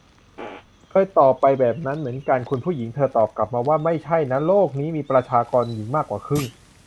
เคยตอบไปแบบนั้นเหมือนกัน คุณผู้หญิงเธอตอบกลับมาว่า ไม่ใช่นะ โลกนี้มีประชากรหญิงมากกว่าครึ่ง !